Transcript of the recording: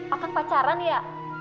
akan pacaran ya